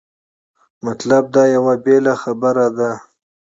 مطلب دا یوه بېله خبره ده.